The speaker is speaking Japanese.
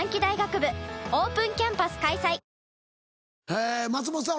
え松本さん